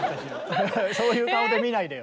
そういう顔で見ないでよ。